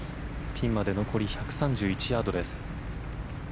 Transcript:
ピンまで残り１３１ヤードです。